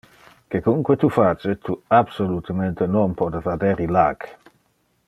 Quecunque tu face, tu absolutemente non pote vader illac.